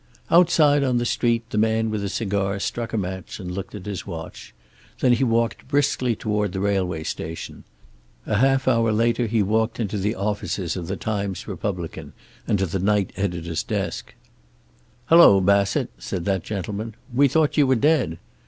Outside, on the street, the man with the cigar struck a match and looked at his watch. Then he walked briskly toward the railway station. A half hour later he walked into the offices of the Times Republican and to the night editor's desk. "Hello, Bassett," said that gentleman. "We thought you were dead.